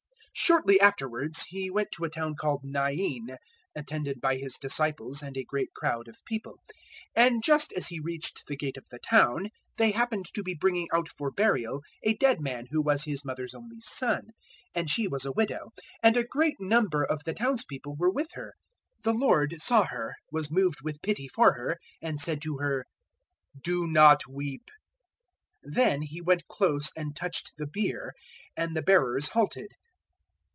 007:011 Shortly afterwards He went to a town called Nain, attended by His disciples and a great crowd of people. 007:012 And just as He reached the gate of the town, they happened to be bringing out for burial a dead man who was his mother's only son; and she was a widow; and a great number of the townspeople were with her. 007:013 The Lord saw her, was moved with pity for her, and said to her, "Do not weep." 007:014 Then He went close and touched the bier, and the bearers halted.